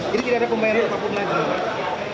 jadi tidak ada pembayaran apapun lain